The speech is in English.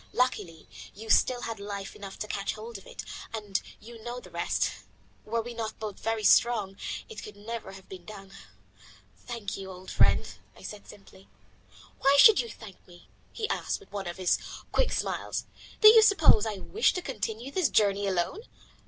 Luckily you still had life enough to catch hold of it, and you know the rest. Were we not both very strong, it could never have been done." "Thank you, old fellow," I said simply. "Why should you thank me?" he asked with one of his quick smiles. "Do you suppose that I wished to continue this journey alone?